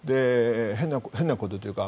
変なことというか